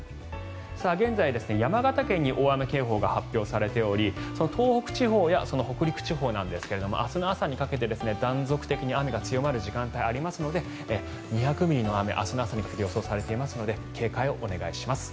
現在、山形県に大雨警報が発表されており東北地方や北陸地方なんですが明日の朝にかけて断続的に雨が強まる時間帯がありますので２００ミリの雨明日の朝にかけて予想されていますので警戒をお願いします。